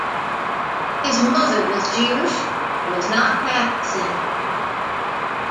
His mother was Jewish but was not practising.